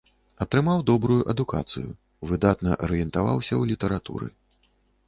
Атрымаў добрую адукацыю, выдатна арыентаваўся ў літаратуры.